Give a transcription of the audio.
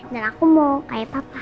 dan aku mau kayak papa